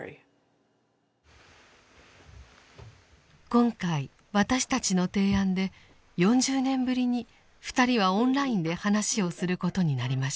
今回私たちの提案で４０年ぶりに２人はオンラインで話をすることになりました。